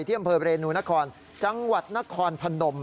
อำเภอเรนูนครจังหวัดนครพนม